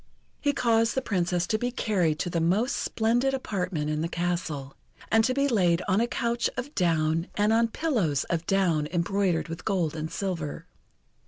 He caused the Princess to be carried to the most splendid apartment in the castle, and to be laid on a couch of down and on pillows of down embroidered with gold and silver.